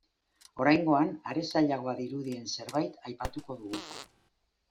Oraingoan, are zailagoa dirudien zerbait aipatuko dugu.